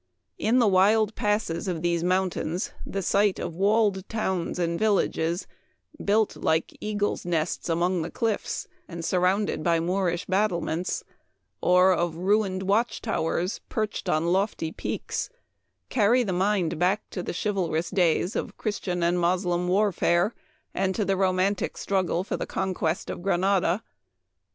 In the wild passes of these mountains the sight of walled towns and vil lages, built like eagles' nests among the cliffs, and surrounded by Moorish battlements, or of ruined watch towers perched on lofty peaks, carry the mind back to the chivalrous days of Christian and Moslem warfare, and to the ro mantic struggle for the conquest of Granada.